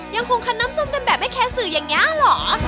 ยังคงคันน้ำส้มกันแบบไม่แคร์สื่ออย่างนี้เหรอ